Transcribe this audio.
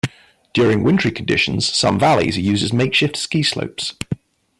During wintry conditions, some valleys are used as makeshift ski slopes.